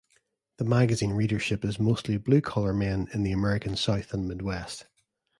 The magazine readership is mostly blue-collar men in the American South and Midwest.